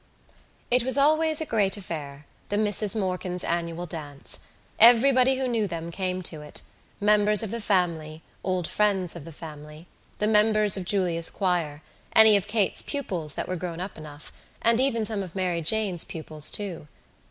It was always a great affair, the Misses Morkan's annual dance. Everybody who knew them came to it, members of the family, old friends of the family, the members of Julia's choir, any of Kate's pupils that were grown up enough, and even some of Mary Jane's pupils too.